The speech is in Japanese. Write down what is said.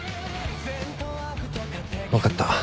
分かった。